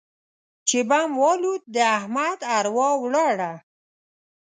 چې بم والوت؛ د احمد اروا ولاړه.